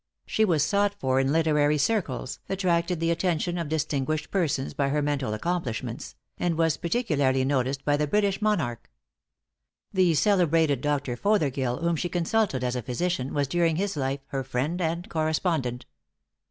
She was sought for in literary circles, attracted the attention of distinguished persons by her mental accomplishments, and was particularly noticed by the British monarch. The celebrated Dr. Fothergill, whom she consulted as a physician, was during his life her friend and correspondent.